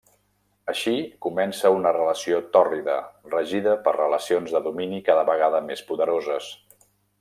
Així comença una relació tòrrida, regida per relacions de domini cada vegada més poderoses.